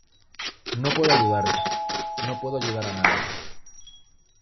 No puedo ayudarte. No puedo ayudar a nadie.